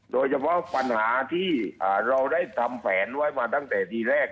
โดยเฉพาะปัญหาที่เราได้ทำแผนไว้มาตั้งแต่ทีแรก